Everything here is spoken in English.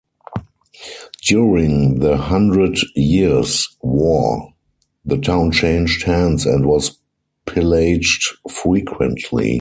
During the Hundred Years' War, the town changed hands and was pillaged frequently.